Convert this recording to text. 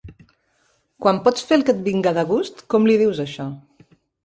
Quan pots fer el que et vinga de gust, com li dius a això?